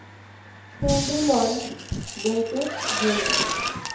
Henry Louis Gates, Jr.